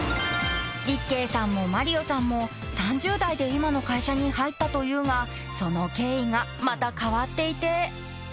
［一慶さんも万里央さんも３０代で今の会社に入ったというがその経緯がまた変わっていて］